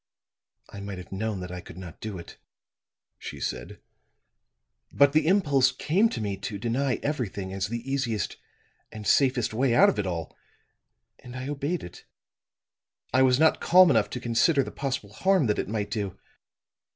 "I might have known that I could not do it," she said. "But the impulse came to me to deny everything as the easiest and safest way out of it all; and I obeyed it. I was not calm enough to consider the possible harm that it might do.